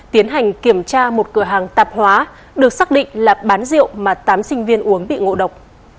tiến hành kiểm tra một cửa hàng tạp hóa được xác định là bán rượu mà tám sinh viên uống bị ngộ độc